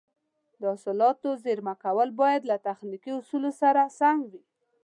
د حاصلاتو زېرمه کول باید له تخنیکي اصولو سره سم وي.